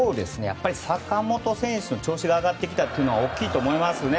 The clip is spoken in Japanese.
坂本選手の調子が上がってきたのは大きいと思いますね。